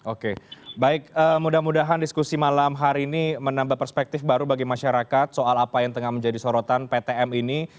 oke baik mudah mudahan diskusi malam hari ini menambah perspektif baru bagi masyarakat soal apa yang tengah menjadi sorotan ptm ini